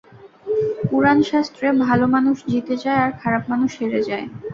পুরাণশাস্ত্রে ভালো মানুষ জিতে যায় আর খারাপ মানুষ হেরে যায়।